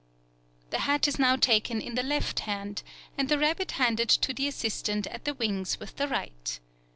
The hat is now taken in the left hand, and the rabbit handed to the assistant at the wings with the right.